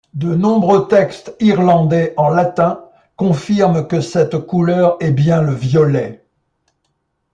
De nombreux textes irlandais en latin, confirment que cette couleur est bien le violet.